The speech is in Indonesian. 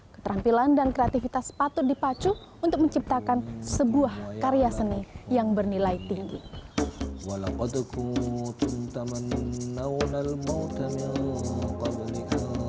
keterampilan dan kreativitas patut dipacu untuk menciptakan sebuah karya seni yang bernilai tinggi